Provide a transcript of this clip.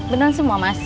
beneran semua mas